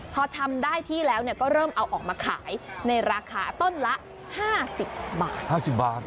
พอทำได้ที่แล้วก็เริ่มเอาออกมาขายในราคาต้นละ๕๐บาท๕๐บาท